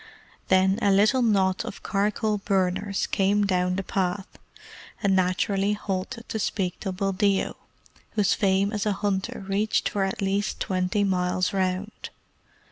Then a little knot of charcoal burners came down the path, and naturally halted to speak to Buldeo, whose fame as a hunter reached for at least twenty miles round.